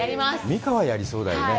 美佳はやりそうだよね。